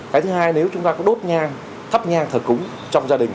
cái thứ hai nếu chúng ta có đốt nhang thắp nhang thờ cúng trong gia đình